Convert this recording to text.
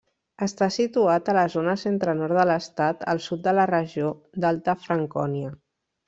Està situat a la zona centre-nord de l'estat, al sud de la regió d'Alta Francònia.